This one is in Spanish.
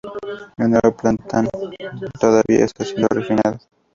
El nuevo plan todavía está siendo refinado.